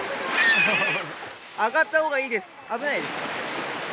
上がったほうがいいです、危ないです。